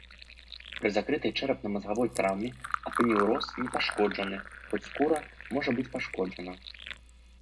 Пры закрытай чэрапна-мазгавой траўме апанеўроз не пашкоджаны, хоць скура можа быць пашкоджана.